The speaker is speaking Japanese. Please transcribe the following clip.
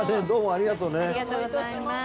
ありがとうございます。